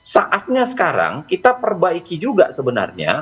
saatnya sekarang kita perbaiki juga sebenarnya